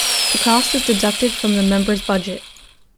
The cost is deducted from the Member's budget.